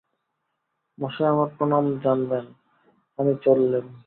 মশায়, আমার প্রণাম জানবেন, আমি চললেম।